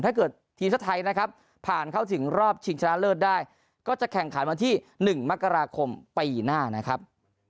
ถ้าเกิดทีมชาติไทยนะครับผ่านเข้าถึงรอบชิงชนะเลิศได้ก็จะแข่งขันวันที่๑มกราคมปีหน้านะครับ